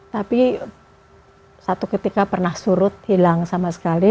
tapi satu ketika pernah surut hilang sama sekali